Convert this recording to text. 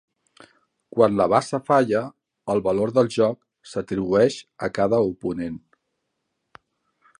Quan la basa falla, el valor del joc s'atribueix a cada oponent.